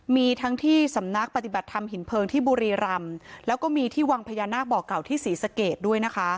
มีทั้งที่สำนักปฏิบัติธรรมหินเพลิงที่บุรีรำแล้วก็มีที่วังพญานาคบ่อเก่าที่ศรีสะเกดด้วยนะคะ